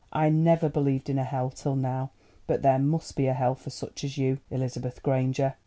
I never believed in a hell till now, but there must be a hell for such as you, Elizabeth Granger.